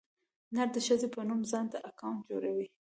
نر د ښځې په نوم ځانته اکاونټ جوړوي.